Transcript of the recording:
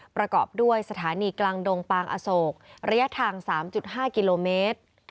ประกอบด้วยสถานีกลางดงปางอโศกระยะทาง๓๕กิโลเมตร